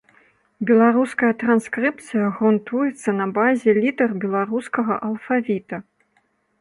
Беларуская транскрыпцыя грунтуецца на базе літар беларускага алфавіта.